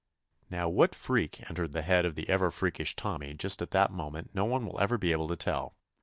Now what freak entered the head of the ever freakish Tommy just at that moment no one will ever be able to tell.